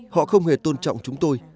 họ không hề tôn trọng chúng tôi